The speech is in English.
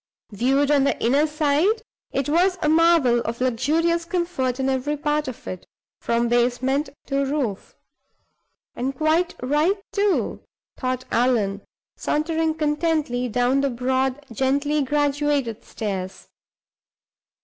Viewed on the inner side, it was a marvel of luxurious comfort in every part of it, from basement to roof. "And quite right, too," thought Allan, sauntering contentedly down the broad, gently graduated stairs.